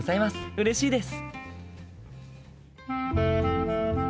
うれしいです！